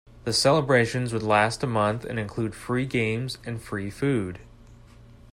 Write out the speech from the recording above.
The celebrations would last a month and include free games and free food.